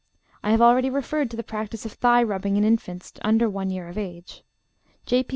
I have already referred to the practice of thigh rubbing in infants under one year of age. J.P.